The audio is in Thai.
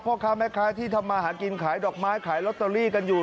พ่อค้าแม่ค้าที่ทำมาหากินขายดอกไม้ขายลอตเตอรี่กันอยู่